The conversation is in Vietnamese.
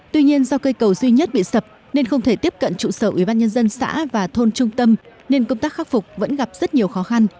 tuy nhiên do cây cầu duy nhất bị sập nên không thể tiếp cận trụ sở ubnd xã và thôn trung tâm nên công tác khắc phục vẫn gặp rất nhiều khó khăn